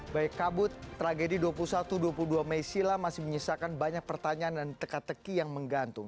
baik kabut tragedi dua puluh satu dua puluh dua mei silam masih menyisakan banyak pertanyaan dan teka teki yang menggantung